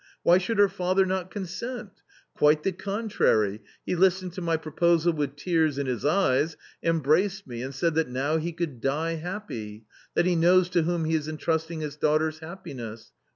Why should her father not consent ? Quite the contrary ; he listened to my pro posal with tears in his eyes, embraced me and said that now he could die happy ; that he knows to whom he is entrusting his daughter's happiness